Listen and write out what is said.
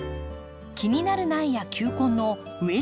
気になる苗や球根の植えつけ